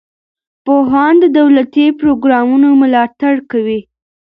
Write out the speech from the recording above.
پوهان د دولتي پروګرامونو ملاتړ کوي.